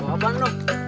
bawa bang nuk